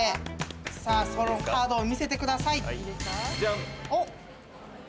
さぁ、そのカードを見せてください。